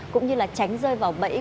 cũng như là tránh rơi vào bẫy